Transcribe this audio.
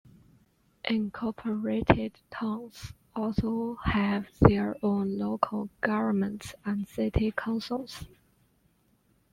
Incorporated towns also have their own local governments and city councils.